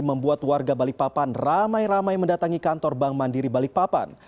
membuat warga balikpapan ramai ramai mendatangi kantor bank mandiri balikpapan